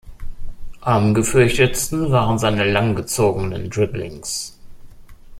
Am gefürchtetsten waren seine langgezogenen Dribblings.